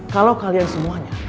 kalau kalian semuanya